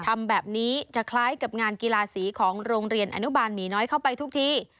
ทำแบบนี้จะคล้ายกับงานกีฬาสีของโรงเรียนอนุบาลหมีน้อยเข้าไปทุกที